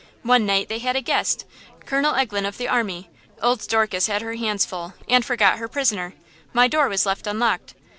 One night they had a guest, Colonel Eglen, of the army, Old Dorcas had her hands full, and forgot her prisoner. My door was left unlocked.